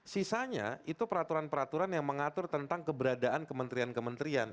sisanya itu peraturan peraturan yang mengatur tentang keberadaan kementerian kementerian